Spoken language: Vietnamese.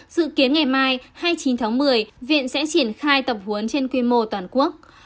dự kiến ngày mai hai mươi chín tháng một mươi viện sẽ triển khai tập huấn trên quy mô toàn quốc